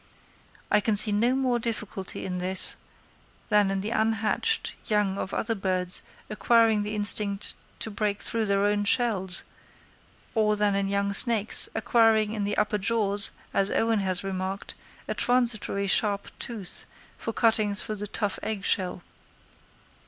I can see no more difficulty in this than in the unhatched young of other birds acquiring the instinct to break through their own shells; or than in young snakes acquiring in their upper jaws, as Owen has remarked, a transitory sharp tooth for cutting through the tough egg shell.